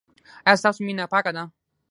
ایا ستاسو مینه پاکه ده؟